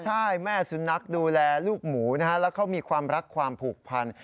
ใช่แม่สุนัขดูแลลูกหมูนะฮะแล้วเขามีความรักความผูกพัน